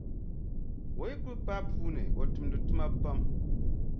O yi kuli paai puu ni, o tumdi tuma pam.